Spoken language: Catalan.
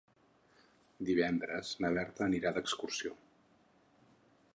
Divendres na Berta anirà d'excursió.